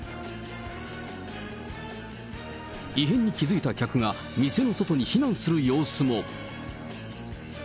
異変に気付いた客が、店の外に避難する様子も。